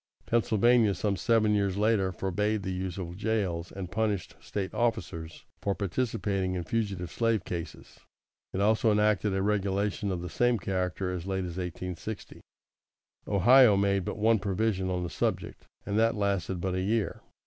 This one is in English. Pennsylvania, some seven years later, forbade the use of jails, and punished State officers for participating in fugitive slave cases. It also enacted a regulation of the same character as late as 1860. Ohio made but one provision on the subject, and that lasted but a year.